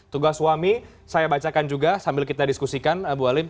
tugas suami saya bacakan juga sambil kita diskusikan bu halim